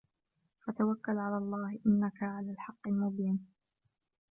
فَتَوَكَّلْ عَلَى اللَّهِ إِنَّكَ عَلَى الْحَقِّ الْمُبِينِ